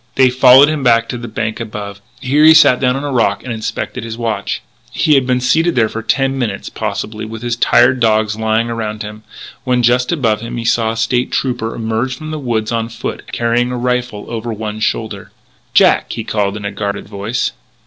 They followed him back to the bank above. Here he sat down on a rock and inspected his watch. He had been seated there for ten minutes, possibly, with his tired dogs lying around him, when just above him he saw a State Trooper emerge from the woods on foot, carrying a rifle over one shoulder. "Jack!" he called in a guarded voice.